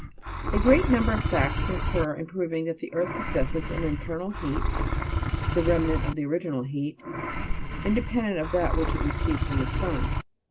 6. A great number of facts concur in proving that the earth possesses an internal heat (the remnant of its original heat), inde pendent of that which it receives from the sun.